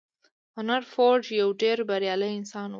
هنري فورډ يو ډېر بريالی انسان و.